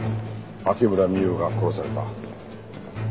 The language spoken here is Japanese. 牧村美優が殺された。